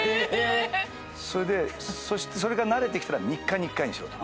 ⁉それでそれから慣れてきたら３日に１回にしろと。